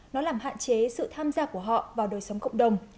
nó làm hạn chế sự tham gia của họ vào đời sống cộng đồng